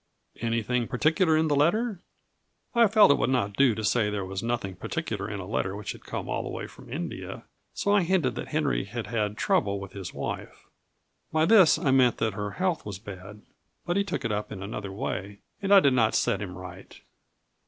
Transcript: "Anything particular in the letter?" I felt it would not do to say there was nothing particular in a letter which had come all the way from India, so I hinted that Henry had had trouble with his wife. By this I meant that her health was bad; but he took it up in another way, and I did not set him right.